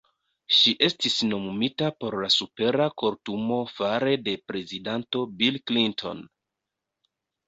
Ŝi estis nomumita por la Supera Kortumo fare de prezidanto Bill Clinton.